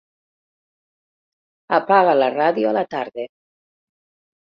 Apaga la ràdio a la tarda.